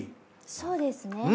そうですね。